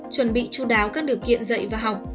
chuẩn bị chú đáo các điều kiện dạy và học